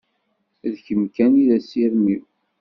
D kemm kan i d asirem-iw.